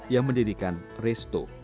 yang mendirikan resto